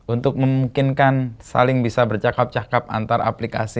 untuk memungkinkan saling bisa bercakap cakap antar aplikasi